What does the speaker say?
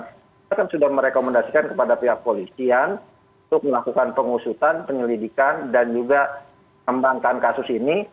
kita kan sudah merekomendasikan kepada pihak polisian untuk melakukan pengusutan penyelidikan dan juga kembangkan kasus ini